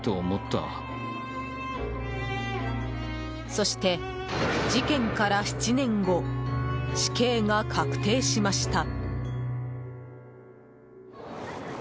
そして、事件から７年後死刑が確定しました。